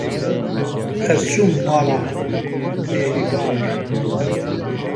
Ez çûm mala Bêrîvanê